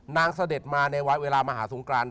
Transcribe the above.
เสด็จมาในเวลามหาสงกราน